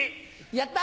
やった。